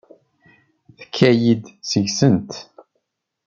Tekka-yi-d seg-sent.